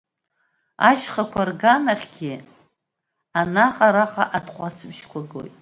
Ашьхақәа рганахьгьы анаҟа-араҟа атҟәацыбжьқәа гоит.